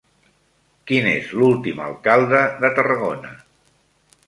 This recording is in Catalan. Quin és l'últim alcalde de Tarragona?